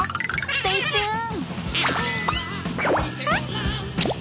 ステイチューン！